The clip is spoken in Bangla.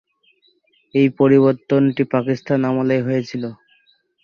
এই পরিবর্তনটি পাকিস্তান আমলেই হয়েছিল।